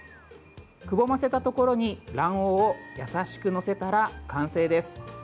くぼませたところに卵黄を優しく載せたら完成です。